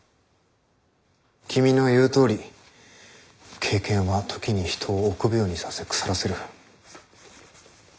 君の言うとおり経験は時に人を臆病にさせ腐らせる。